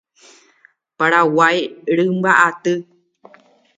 Paraguái rymba'aty.